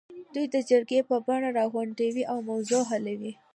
دوی د جرګې په بڼه راغونډوي او موضوع حلوي.